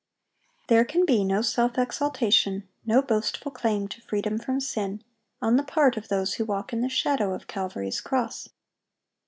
(808) There can be no self exaltation, no boastful claim to freedom from sin, on the part of those who walk in the shadow of Calvary's cross.